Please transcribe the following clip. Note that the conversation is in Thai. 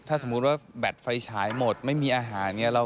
ถ้าสมมุติว่าแบตไฟฉายหมดไม่มีอาหารเนี่ย